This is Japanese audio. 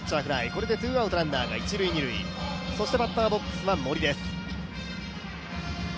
これでツーアウト、ランナーが一・二塁でバッターボックスは森です